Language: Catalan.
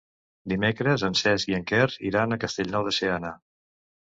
Dimecres en Cesc i en Quer iran a Castellnou de Seana.